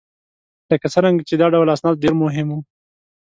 لکه څرنګه چې دا ډول اسناد ډېر مهم وه